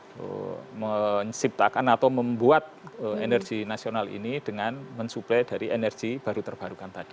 untuk menciptakan atau membuat energi nasional ini dengan mensuplai dari energi baru terbarukan tadi